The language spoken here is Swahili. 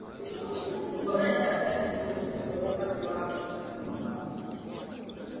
kuboresha afyaNchi nyingi zimeweka viwango